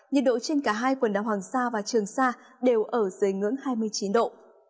nhiệt độ trên cả hai quần đảo hoàng sa và trường sa đều ở dưới ngưỡng hai mươi chín độ